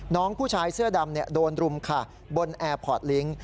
น้องผู้ชายเสื้อดำโดนรุมค่ะบนแอร์พอร์ตลิงค์